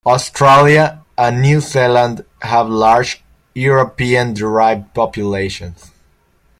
Australia and New Zealand have large European derived populations.